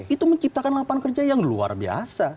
itu menciptakan lapangan kerja yang luar biasa